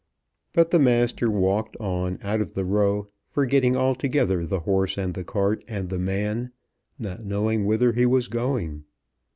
But the master walked on out of the Row, forgetting altogether the horse and the cart and the man, not knowing whither he was going.